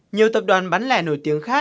nhiều tập đoàn bán lẻ nổi tiếng khác